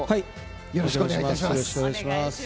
よろしくお願いします。